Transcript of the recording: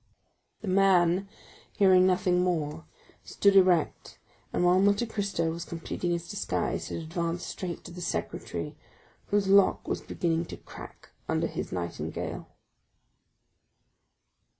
The man, hearing nothing more, stood erect, and while Monte Cristo was completing his disguise had advanced straight to the secretaire, whose lock was beginning to crack under his nightingale.